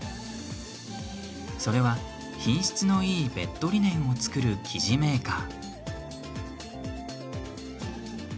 それは、品質のいいベッドリネンを作る生地メーカー。